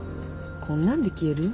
こんなんで消える？